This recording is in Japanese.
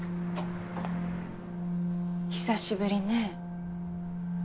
久しぶりね。